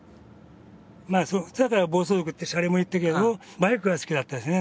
だから暴走族ってしゃれも言ったけれどバイクが好きだったですね。